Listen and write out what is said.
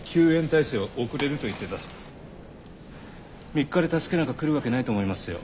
３日で助けなんか来るわけないと思いますよ。